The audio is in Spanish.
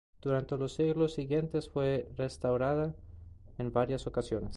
Durante los siglos siguientes fue restaurada en varias ocasiones.